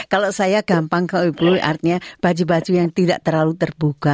kalau saya gampang ke obli artinya baju baju yang tidak terlalu terbuka